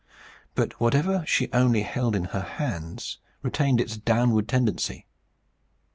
But whatever she only held in her hands retained its downward tendency.